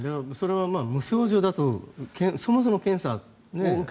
それは無症状だとそもそも検査を。